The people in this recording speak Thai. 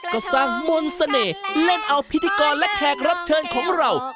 ก็สร้างมนต์เสน่ห์เล่นเอาพิธีกรและแขกรับเชิญของเรา